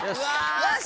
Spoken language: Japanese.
よし！